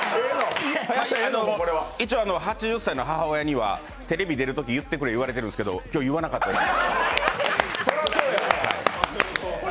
一応８０歳の母親にはテレビ出るとき言ってくれ言われてるんですけど今日、言わなかったです。